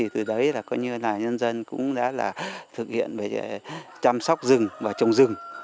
từ đấy nhân dân cũng đã thực hiện chăm sóc rừng và trồng rừng